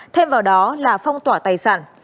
thêm vào đó là phong tỏa tài sản